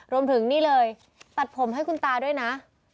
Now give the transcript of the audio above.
รวมถึงนี่เลยตัดผมให้คุณตาด้วยนะ